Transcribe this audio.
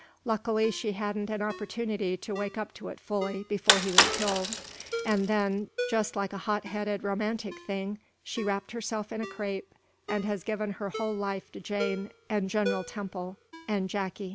Luckily, she hadn't an opportunity to wake up to it fully, before he was killed; and then, just like a hot headed, romantic thing, she wrapped herself in crape, and has given up her whole life to Jane and General Temple, and Jacky."